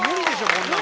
こんなの。